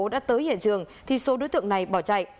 đã tới hiện trường thì số đối tượng này bỏ chạy